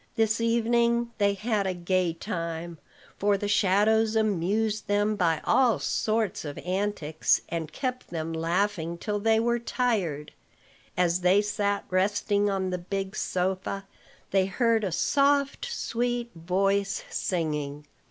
This evening they had a gay time; for the shadows amused them by all sorts of antics, and kept them laughing till they were tired. As they sat resting on the big sofa, they heard a soft, sweet voice singing.